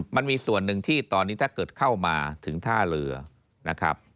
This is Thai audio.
มันมีส่วนหนึ่งที่ตอนนี้ถ้าเกิดเข้ามาถึงท่าเรือนะครับ